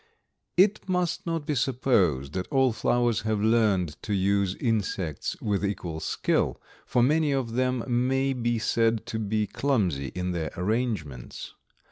It must not be supposed that all flowers have learned to use insects with equal skill, for many of them may be said to be clumsy in their arrangements.